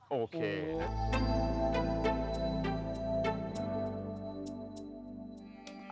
โอเค